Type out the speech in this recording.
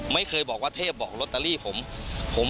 ไม่เคยบอกว่าเทพบอกลอตเตอรี่ผม